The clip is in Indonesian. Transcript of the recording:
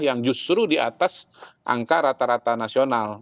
yang justru di atas angka rata rata nasional